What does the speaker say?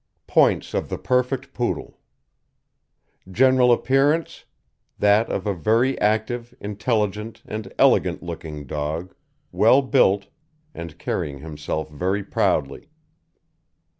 POINTS OF THE PERFECT POODLE: GENERAL APPEARANCE That of a very active, intelligent, and elegant looking dog, well built, and carrying himself very proudly.